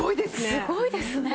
すごいですね！